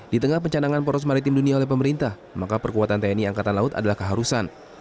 di tengah pencanangan poros maritim dunia oleh pemerintah maka perkuatan tni angkatan laut adalah keharusan